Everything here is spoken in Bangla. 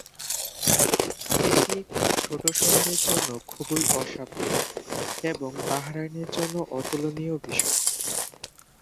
এটি একটি ছোট শহরের জন্য খুবই অস্বাভাবিক এবং বাহরাইনের জন্য অতুলনীয় বিষয়।